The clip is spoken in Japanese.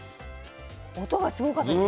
音がすごかったです。